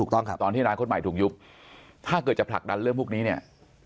ถ้าเกิดจะผลักดันเรื่องพวกนี้เนี่ย